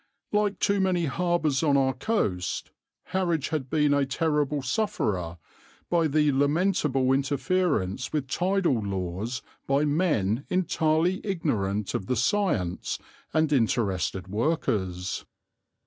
Like too many harbours on our coast, Harwich had been a terrible sufferer by the lamentable interference with tidal laws by men entirely ignorant of the science, and interested workers.